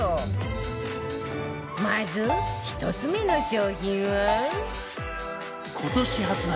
まず１つ目の商品は今年発売